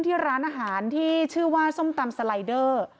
ที่ร้านอาหารที่ชื่อว่าส้มตำสไลเดอร์